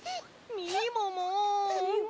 みもも。